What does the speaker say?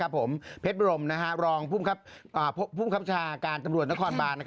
ผมเพชรบรมรองภูมิครับชาการตำรวจนครบาน